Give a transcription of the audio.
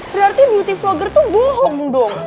berarti beauty vlogger tuh bohong dong